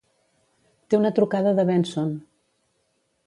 Té una trucada de Benson.